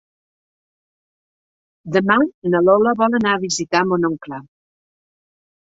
Demà na Lola vol anar a visitar mon oncle.